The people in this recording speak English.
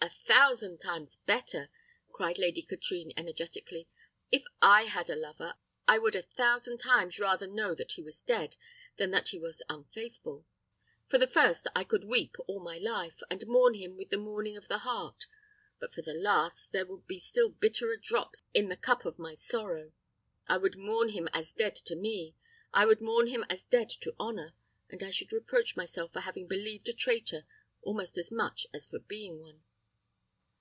a thousand times better!" cried Lady Katrine, energetically. "If I had a lover, I would a thousand times rather know that he was dead, than that he was unfaithful. For the first, I could but weep all my life, and mourn him with the mourning of the heart; but for the last, there would be still bitterer drops in the cup of my sorrow. I would mourn him as dead to me. I would mourn him as dead to honour; and I should reproach myself for having believed a traitor, almost as much as for being one."